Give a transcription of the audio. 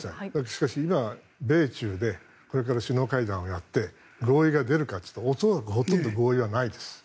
しかし、今、米中でこれから首脳会談をやって合意が出るかというと恐らくほとんど合意はないです。